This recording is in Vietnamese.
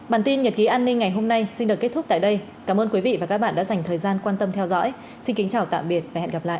bản tin nhật ký an ninh ngày hôm nay xin được kết thúc tại đây cảm ơn quý vị và các bạn đã dành thời gian quan tâm theo dõi xin kính chào tạm biệt và hẹn gặp lại